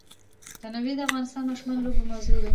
تنوع د افغان ماشومانو د لوبو موضوع ده.